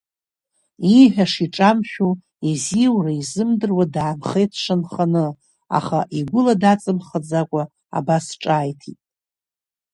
Ииҳәаша иҿамшәо, изиура изымдыруа даанхеит дшанханы, аха игәыла даҵамхаӡакәа абас ҿааиҭит…